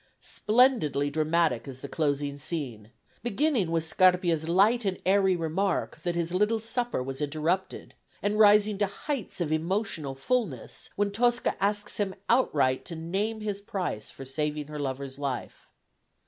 Splendidly dramatic is the closing scene, beginning with Scarpia's light and airy remark that his little supper was interrupted, and rising to heights of emotional fulness when Tosca asks him outright to name his price for saving her lover's life.